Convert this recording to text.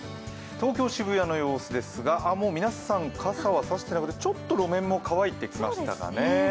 東京・渋谷の様子ですが、皆さん傘を差してちょっと路面も乾いてきましたかね。